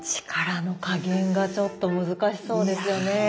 力の加減がちょっと難しそうですよね。